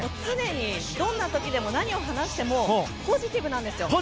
どんな時でも何を話してもポジティブなんです。